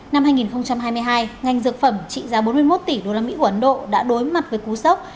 năm hai nghìn hai mươi hai ngành dược phẩm trị giá bốn mươi một tỷ usd của ấn độ đã đối mặt với cú sốc